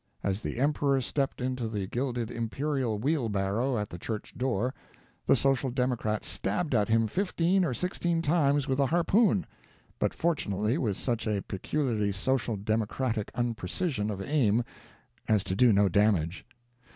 As the emperor stepped into the gilded imperial wheelbarrow at the church door, the social democrat stabbed at him fifteen or sixteen times with a harpoon, but fortunately with such a peculiarly social democratic unprecision of aim as to do no damage.